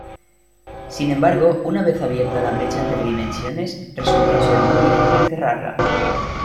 Sin embargo, una vez abierta la brecha entre dimensiones, resultó ser muy difícil cerrarla.